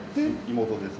妹です。